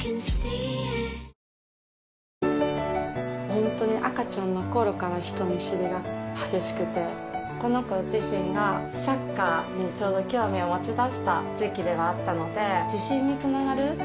本当に赤ちゃんの頃から人見知りが激しくてこの子自身がサッカーにちょうど興味を持ち出した時期ではあったので自信につながる成功体験になっていったらいいなと思って。